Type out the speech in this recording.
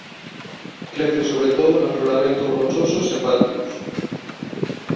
Crece sobre todo en afloramentos rochosos e patios.